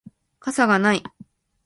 傘がない